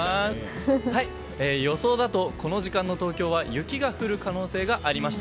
予想だと、この時間の東京は雪が降る可能性がありました。